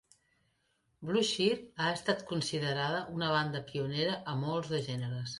Blue Cheer ha estat considerada una banda pionera a molts de gèneres.